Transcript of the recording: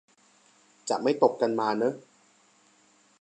จะไม่ตกกันมาเนอะ